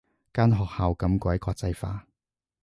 間學校咁鬼國際化